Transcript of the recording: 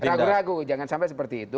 ragu ragu jangan sampai seperti itu